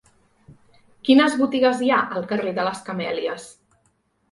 Quines botigues hi ha al carrer de les Camèlies?